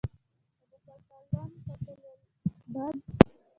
که د شل کلن «قتل العباد»